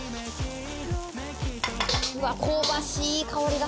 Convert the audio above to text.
香ばしい香りが。